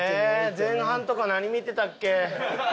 前半とか何見てたっけ？